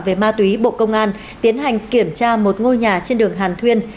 về ma túy bộ công an tiến hành kiểm tra một ngôi nhà trên đường hàn thuyên